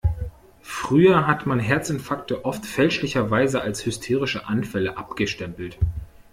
Früher hat man Herzinfarkte oft fälschlicherweise als hysterische Anfälle abgestempelt.